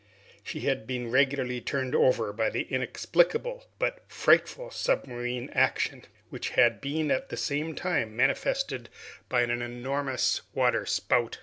She had been regularly turned over by the inexplicable but frightful submarine action, which had been at the same time manifested by an enormous water spout.